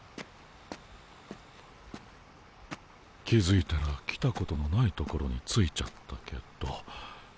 気付いたら来たことのないところに着いちゃったけどどこだ？